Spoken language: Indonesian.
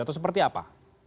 atau seperti apa